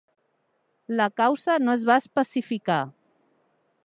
La causa no es va especificar.